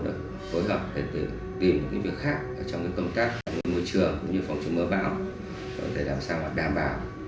đã phối hợp để tìm việc khác trong công tác môi trường phòng trường mưa bão